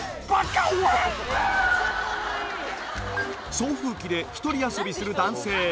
送風機で１人遊びする男性